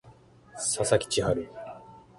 佐々木千隼